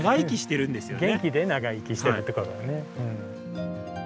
元気で長生きしてるってことだね。